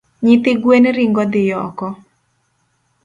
Nyithi guen ringo dhi oko